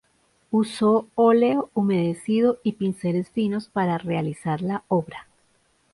Usó óleo humedecido y pinceles finos para realizar la obra.